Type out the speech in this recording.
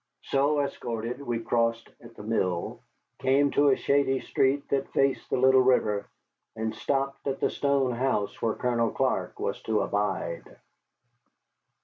So escorted, we crossed at the mill, came to a shady street that faced the little river, and stopped at the stone house where Colonel Clark was to abide.